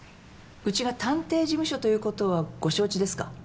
うちが探偵事務所ということはご承知ですか？